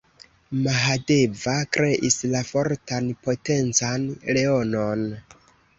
Mahadeva kreis la fortan, potencan leonon.